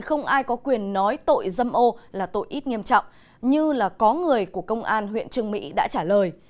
không ai có quyền nói tội dâm ô là tội ít nghiêm trọng như là có người của công an huyện trương mỹ đã trả lời